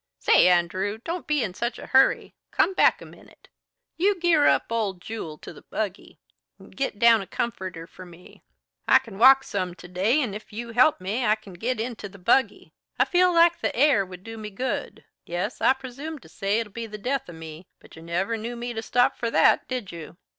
"Say, Andrew! Don't be in such a hurry. Come back a minute. You gear up ole Jule to the buggy and git down a comforter for me. I c'n walk some, to day, and if you help me I c'n git into the buggy. I feel like the air would do me good. Yes, I presume to say it'll be the death of me, but you never knew me to stop for that, did you?